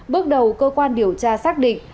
bước đầu cơ quan điều tra xác định